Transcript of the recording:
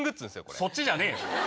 そっちじゃねえよ。